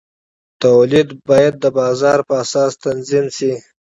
تولید باید د بازار په اساس تنظیم شي.